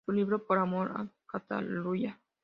Su libro "Por amor a Cataluña.